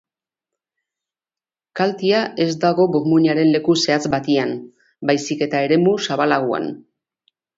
Kaltea ez dago burmuinaren leku zehatz batean, baizik eta eremu zabalagoan.